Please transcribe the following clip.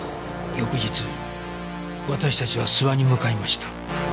翌日私たちは諏訪に向かいました